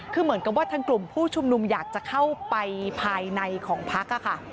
คือเหมือนกับว่าทางกลุ่มผู้ชุมนุมอยากจะเข้าไปภายในของพักค่ะ